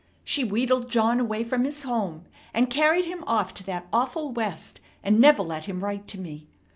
She wheedled John away from his home, and carried him off to that awful West, and never let him write to me.